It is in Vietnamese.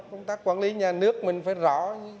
công tác quản lý nhà nước mình phải rõ